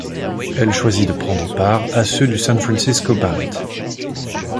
Elle choisit de prendre part à ceux du San Francisco Ballet.